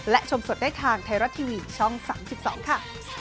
และชมสดได้ทางไทยรัฐทีวีช่อง๓๒ค่ะ